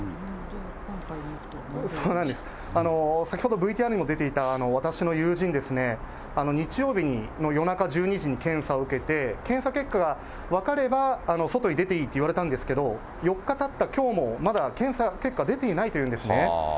先ほどＶＴＲにも出てきた、私の友人ですね、日曜日の夜中１２時に検査を受けて、検査結果が分かれば、外に出ていいって言われたんですけど、４日たったきょうも、まだ検査結果、出ていないというんですね。